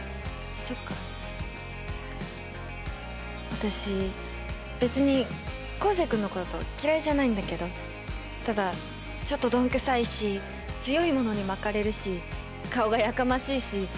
私別に昴生君のこと嫌いじゃないんだけどただちょっとどんくさいし強いものに巻かれるし顔がやかましいし唇